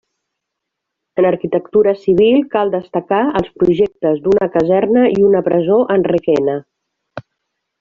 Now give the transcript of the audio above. En arquitectura civil, cal destacar, els projectes d'una caserna i una presó en Requena.